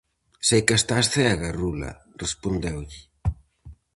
-Seica estás cega, rula? -respondeulle-.